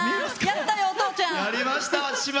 やったよ、お父ちゃん。